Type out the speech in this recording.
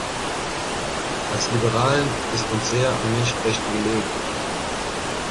Als Liberalen ist uns sehr an Menschenrechten gelegen.